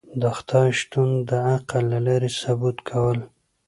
د خدای شتون د عقل له لاری ثبوت کول